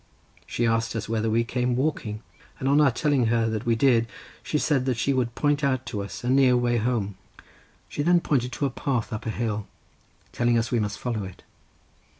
She asked us whether we came walking, and on our telling her that we did, she said that she would point out to us a near way home. She then pointed to a path up a hill, telling us we must follow it.